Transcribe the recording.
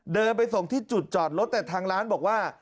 เดินไปส่งที่จุดจอดรถแต่ทางร้านบอกว่า